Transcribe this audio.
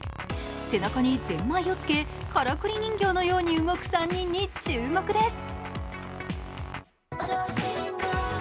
背中にぜんまいをつけ、からくり人形のように動く３人に注目です。